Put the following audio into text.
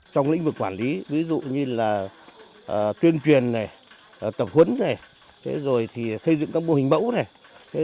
trong lĩnh vực quản lý ví dụ như là tuyên truyền này tập huấn này rồi xây dựng các mô hình mẫu này